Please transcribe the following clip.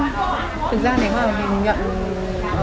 thực ra nếu mà mình nhận